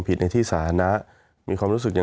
มีความรู้สึกว่ามีความรู้สึกว่า